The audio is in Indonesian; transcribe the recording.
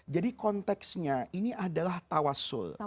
jadi konteksnya ini adalah tawassul